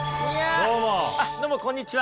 どうもこんにちは。